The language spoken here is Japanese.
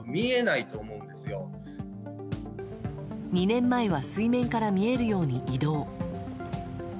２年前は水面から見えるように移動。